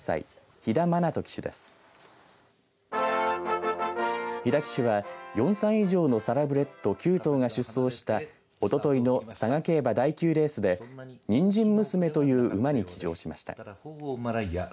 飛田騎手は４歳以上のサラブレッド９頭が出走したおとといの佐賀競馬場第９レースでニンジンムスメという馬に騎乗しました。